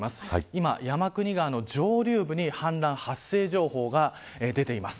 今、山国川の上流部に氾濫発生情報が出ています。